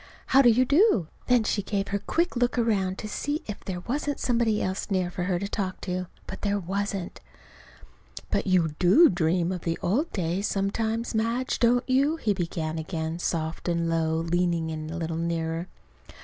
"How do you do?" Then she gave her quick little look around to see if there wasn't somebody else near for her to talk to. But there wasn't. "But you do dream, of the old days, sometimes, Madge, don't you?" he began again, soft and low, leaning a little nearer.